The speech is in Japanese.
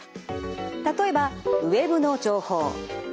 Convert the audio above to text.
例えばＷＥＢの情報。